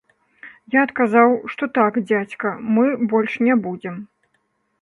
Я адказаў, што так, дзядзька, мы больш не будзем.